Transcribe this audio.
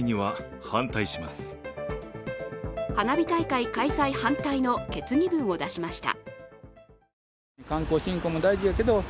花火大会開催反対の決議文を出しました。